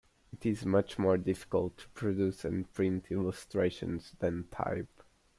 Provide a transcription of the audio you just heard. It is much more difficult to produce and print illustrations than type.